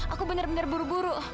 aku benar benar buru buru